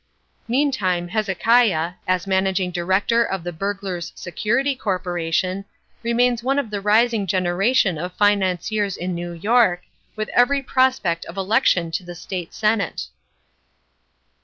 Meantime, Hezekiah, as managing director of the Burglars' Security Corporation, remains one of the rising generation of financiers in New York, with every prospect of election to the State Senate.